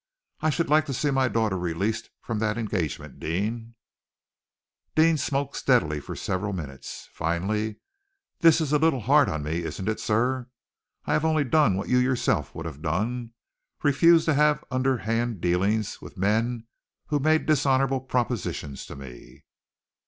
I should like to see my daughter released from that engagement, Deane." Deane smoked steadily for several minutes. Finally, "This is a little hard on me, isn't it, sir? I have only done what you yourself would have done refused to have underhand dealings with men who made dishonorable propositions to me."